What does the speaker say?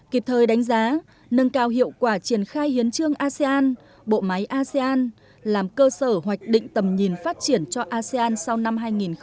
kịp thời đánh giá nâng cao hiệu quả triển khai hiến trương asean bộ máy asean làm cơ sở hoạch định tầm nhìn phát triển cho asean sau năm hai nghìn hai mươi năm